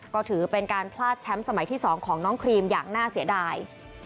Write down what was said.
ก็ถือเป็นการพลาดแชมป์สมัยที่๒ของน้องครีมอย่างน่าเสียดาย